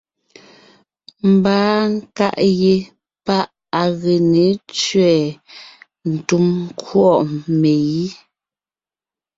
Ḿbaa nkàʼ yé páʼ à gee ne tsẅɛ̀ɛ túm ńkɔ̂ʼ megǐ.